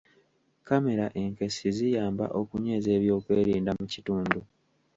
Kamera enkessi ziyamba okunyweza eby'okwerinda mu kitundu.